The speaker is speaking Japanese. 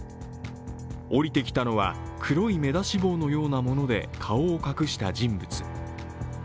降りてきたのは、黒い目出し帽のようなもので顔を隠した人物。